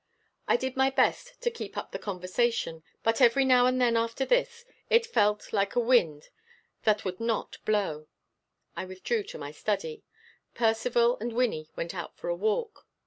I did my best to keep up the conversation, but every now and then after this it fell like a wind that would not blow. I withdrew to my study. Percivale and Wynnie went out for a walk.